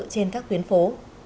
trên các tuyến phố